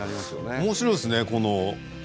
おもしろいですね。